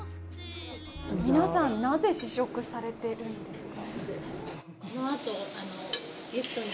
皆さん、なぜ試食されてるんですか？